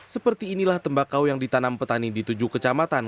seperti inilah tembakau yang ditanam petani di tujuh kecamatan